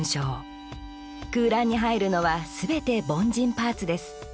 空欄に入るのは全て凡人パーツです。